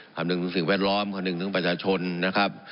คำนึงถึงสิ่งแวดล้อมคำนึงถึงประชาชนนะครับ